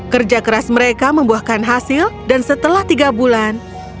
kerja keras mereka membuahkan hasil dan setelah tiga bulan